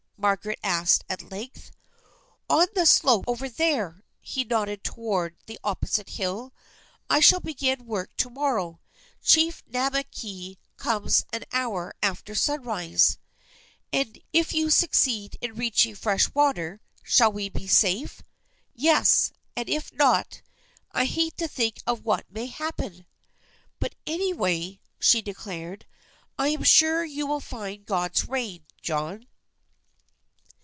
Margaret asked at length. "On the slope over there." He nodded toward the opposite hill. "I shall begin work to morrow. Chief Namakei comes an hour after sunrise." "If you succeed in reaching fresh water, shall we be safe?" "Yes, and if not, I hate to think of what may happen." "But anyway," she declared, "I'm sure you will find God's rain, John."